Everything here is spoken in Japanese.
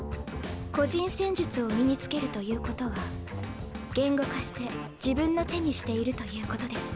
個人戦術を身につけるということは言語化して自分の手にしているということです。